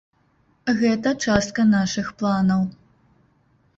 Гэта частка нашых планаў.